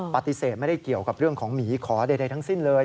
ปฏิเสธไม่ได้เกี่ยวกับเรื่องของหมีขอใดทั้งสิ้นเลย